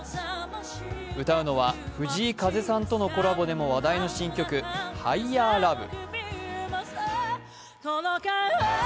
歌うのは藤井風さんとのコラボでも話題の新曲、「ＨｉｇｈｅｒＬｏｖｅ」。